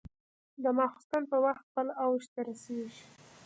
د ماخوستن په وخت خپل اوج ته رسېږي.